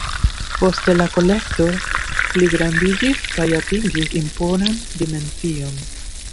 Poste la kolekto pligrandiĝis kaj atingis imponan dimension.